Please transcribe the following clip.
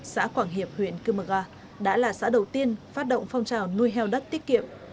xã quảng hiệp huyện cư mơ ga đã là xã đầu tiên phát động phong trào nuôi heo đất tiết kiệm